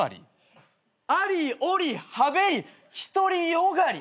ありおりはべり独り善がり。